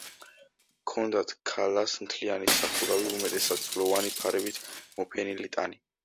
ჰქონდათ ქალას მთლიანი სახურავი, უმეტესად ძვლოვანი ფარებით მოფენილი ტანი.